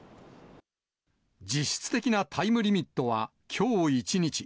実質的なタイムリミットはきょう一日。